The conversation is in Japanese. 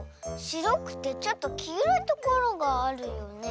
しろくてちょっときいろいところがあるよね。